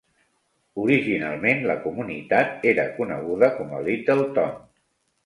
Originalment, la comunitat era coneguda com a "Littleton".